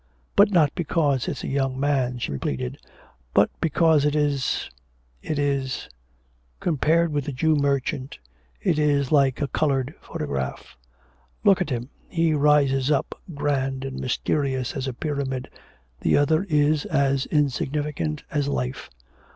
'But not because it's a young man,' she pleaded, 'but because it is, it is ' 'Compared with the "Jew Merchant" it is like a coloured photograph... Look at him, he rises up grand and mysterious as a pyramid, the other is as insignificant as life.